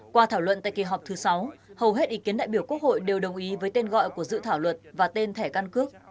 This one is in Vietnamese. qua thảo luận tại kỳ họp thứ sáu hầu hết ý kiến đại biểu quốc hội đều đồng ý với tên gọi của dự thảo luật và tên thẻ căn cước